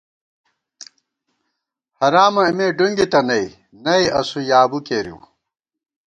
حرامہ اِمے ڈُونگِتہ نئی ، نئی اسُو یابُو کېرِؤ